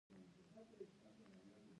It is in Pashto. تل خدای یادوي، لمونځ اودس کوي.